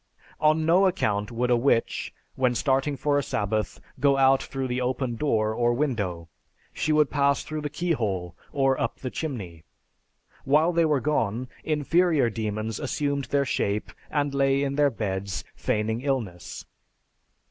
On no account would a witch, when starting for a sabbath, go out through the open door or window; she would pass through the keyhole or up the chimney. While they were gone, inferior demons assumed their shape, and lay in their beds, feigning illness.